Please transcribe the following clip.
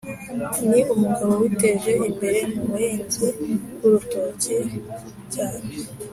ni umugabo witeje imbere m’ubuhinzi bw’urutoki cyane